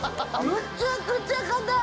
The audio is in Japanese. むちゃくちゃ硬い！